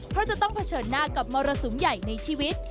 เพราะจะต้องเผชิญหน้ากับมรสุมใหญ่ในชีวิต